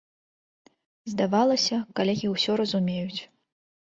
Здавалася, калегі ўсё разумеюць.